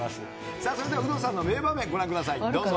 さあ、それでは有働さんの名場面ご覧ください、どうぞ。